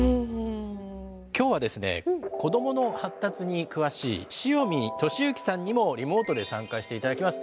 今日はですね子どもの発達に詳しい汐見稔幸さんにもリモートで参加して頂きます。